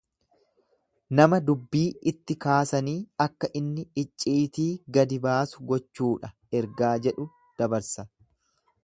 Nama dubbii itti kaasanii akka inni icciitii gadi baasu gochuudha ergaa jedhu dabarsa.